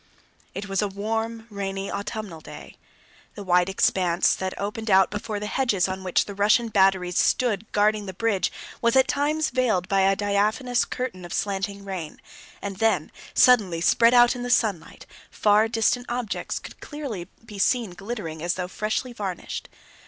It was a warm, rainy, autumnal day. The wide expanse that opened out before the heights on which the Russian batteries stood guarding the bridge was at times veiled by a diaphanous curtain of slanting rain, and then, suddenly spread out in the sunlight, far distant objects could be clearly seen glittering as though freshly varnished.